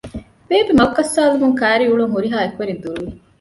ބޭބެ މަގު ކައްސައިލުމުން ކައިރީ އުޅުން ހުރިހާ އެކުވެރިން ދުރުވި